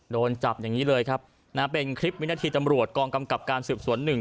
โดนจับอย่างนี้เลยครับนะเป็นคลิปวินาทีตำรวจกองกำกับการสืบสวนหนึ่ง